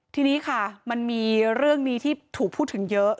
ทีนี้ค่ะมันมีเรื่องนี้ที่ถูกพูดถึงเยอะ